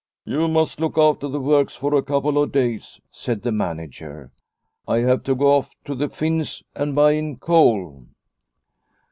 " You must look after the works for a couple of days," said the manager. " I have to go off to the Finns and buy in coal."